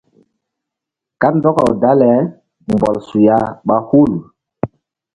Kandɔkaw dale mbɔl suya ɓa hul.